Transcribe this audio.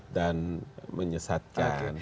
sesat dan menyesatkan